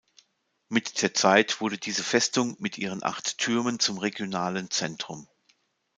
Mit der Zeit wurde diese Festung mit ihren acht Türmen zum regionalen Zentrum.